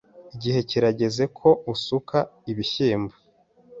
Igihe kirageze ko usuka ibishyimbo.